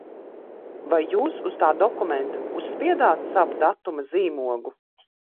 Vai jūs uz tā dokumenta uzspiedāt savu datuma zīmogu?